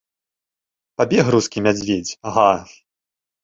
Пабег рускі мядзведзь, га!